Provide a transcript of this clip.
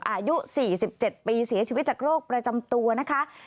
อายุ๔๗ปีเสียชีวิตจากโรคประจำตัวนะคะ